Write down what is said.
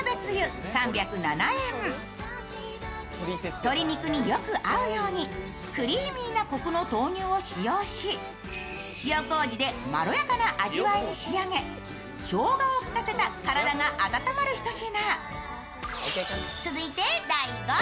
鶏肉によく合うようにクリーミーなこくの豆乳を使用し塩こうじでまろやかな味わいに仕上げしょうがをきかせた体が温まる一品。